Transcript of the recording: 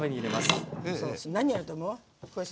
何をやると思う？